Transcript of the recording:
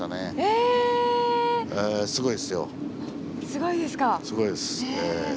すごいですか。